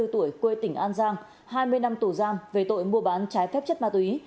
ba mươi tuổi quê tỉnh an giang hai mươi năm tù giam về tội mua bán trái phép chất ma túy